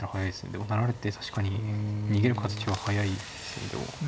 でも成られて確かに逃げる形は速いですけど。